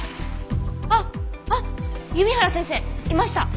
あっあっ弓原先生いました。